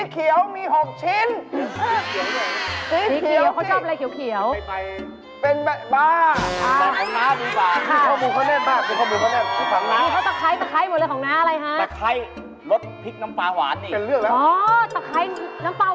กลิ่นตะไคล้หอมขนาด๖๐อะไรครับ